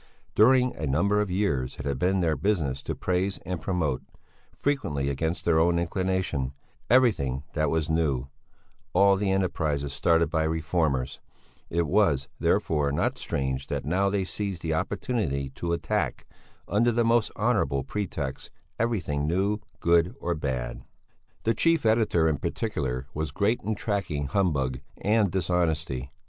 During a number of years it had been their business to praise and promote, frequently against their own inclination, everything that was new, all the enterprises started by reformers; it was, therefore, not strange that now they seized the opportunity to attack under the most honourable pretexts everything new, good or bad. The chief editor in particular was great in tracking humbug and dishonesty.